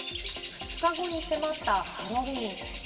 ２日後に迫ったハロウィーン。